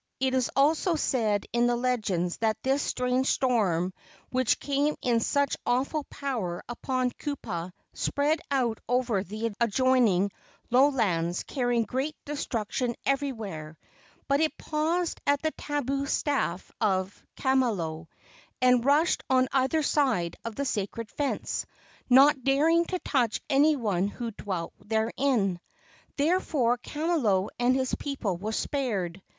It also said in the legends that this strange storm which came in such awful power upon Kupa spread out over the adjoining low¬ lands, carrying great destruction everywhere, but it paused at the tabu staff of Kamalo, and rushed on either side of the sacred fence, not dar¬ ing to touch any one who dwelt therein. There¬ fore Kamalo and his people were spared.